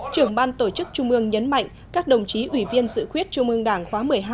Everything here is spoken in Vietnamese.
trưởng ban tổ chức trung ương nhấn mạnh các đồng chí ủy viên dự khuyết trung ương đảng khóa một mươi hai